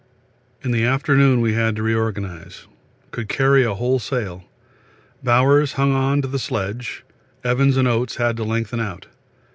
In the afternoon we had to reorganise. Could carry a whole sail. Bowers hung on to the sledge, Evans and Oates had to lengthen out.